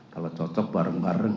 kalau cocok bareng bareng